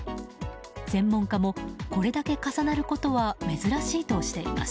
専門家もこれだけ重なることは珍しいとしています。